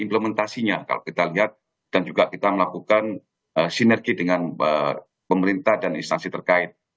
implementasinya kalau kita lihat dan juga kita melakukan sinergi dengan pemerintah dan instansi terkait